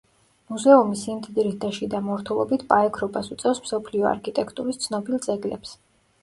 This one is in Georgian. მუზეუმი სიმდიდრით და შიდა მორთულობით პაექრობას უწევს მსოფლიო არქიტექტურის ცნობილ ძეგლებს.